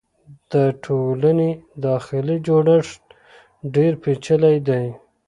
د ټولنې داخلي جوړښت ډېر پېچلی دی.